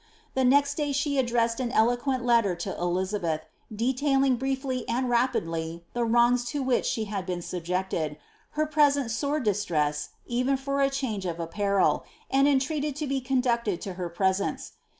The next day she ad dressed an eloquent letter to Elizabeth, detailing briefly and lapidly the wrongs lo which she had biicn subjected, her present sore di.siresa, even for a change of apparel, aU(3 entreated to be condncled to her presence.